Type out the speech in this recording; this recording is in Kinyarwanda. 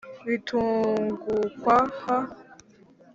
bitugukwaha.